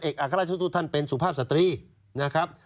อัครราชทุกท่านเป็นสุภาพสตรีนะครับ